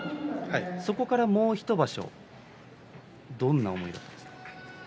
そこから、もう１場所どんな思いだったですか？